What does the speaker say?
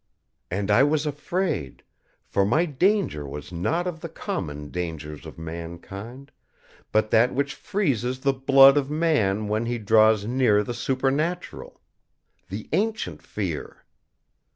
And I was afraid, for my danger was not of the common dangers of mankind, but that which freezes the blood of man when he draws near the supernatural; the ancient fear.